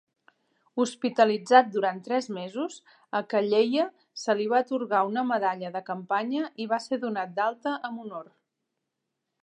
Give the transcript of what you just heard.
Hospitalitzat durant tres mesos, a Calleia se li va atorgar una medalla de campanya i va ser donat d'alta amb honor.